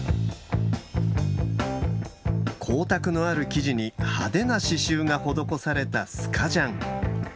光沢のある生地に派手な刺しゅうが施されたスカジャン。